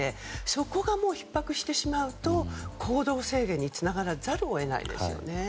そこがひっ迫してしまうと行動制限につながらざるを得ませんよね。